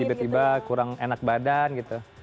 tiba tiba kurang enak badan gitu